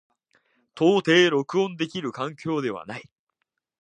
到底録音できる環境ではない。